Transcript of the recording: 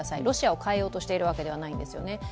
ロシアを変えようとしているわけではないんですよね。